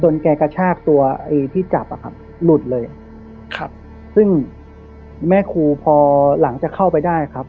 แกกระชากตัวไอ้ที่จับอ่ะครับหลุดเลยครับซึ่งแม่ครูพอหลังจากเข้าไปได้ครับ